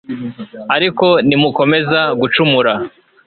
ariko nimukomeza gucumura